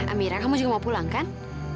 amira kamu juga mau pulang kan